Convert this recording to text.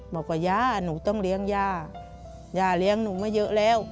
บอกว่าย่าหนูต้องเลี้ยงย่าย่าเลี้ยงหนูมาเยอะแล้ว